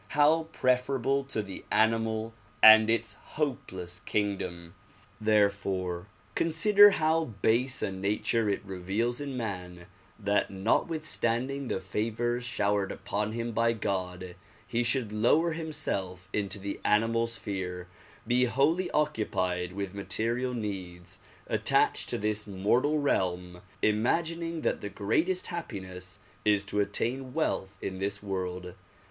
How preferable to the animal and its hopeless kingdom ! Therefore consider how base a nature it reveals in man that notwithstanding the favors showered upon him by God he should lower himself into the animal sphere, be wholly occupied with material needs, attached to this mortal realm, imagining that the greatest happiness is to attain wealth in this world.